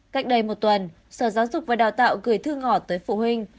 cách đây một tuần sở giáo dục và đào tạo gửi thư ngỏ tới phụ huynh